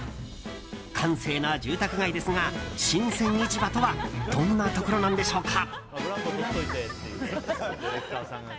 閑静な住宅街ですが新鮮市場とはどんなところなんでしょうか。